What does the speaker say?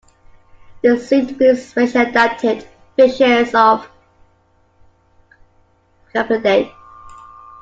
Sometimes separated as family Psilorhynchidae, they seem to be specially-adapted fishes of Cyprinidae.